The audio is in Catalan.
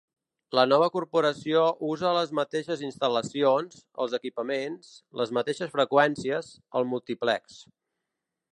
La nova corporació usa les mateixes instal·lacions, els equipaments, les mateixes freqüències, el múltiplex.